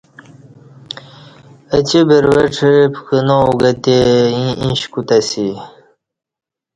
اچی بروڄہ پکنا اُوگہ تی ییں ایݩش کوتہ اسی۔